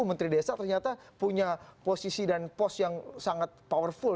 menteri desa ternyata punya posisi dan pos yang sangat powerful